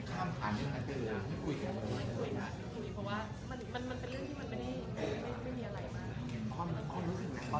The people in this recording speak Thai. คนที่ดีกันก็อยากให้สนับสนุนกัน